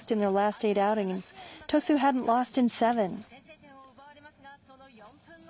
先制点を奪われますがその４分後。